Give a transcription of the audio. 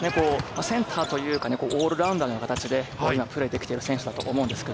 センターというかオールラウンダーのような形でプレーできる選手だと思います。